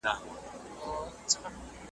وئيل يې روغ عالم ﺯمونږ په درد کله خبريږي `